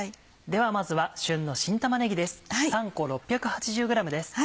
ではまずは旬の新玉ねぎです。